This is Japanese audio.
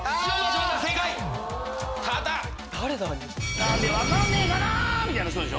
「何で分かんねえかな」みたいな人でしょ？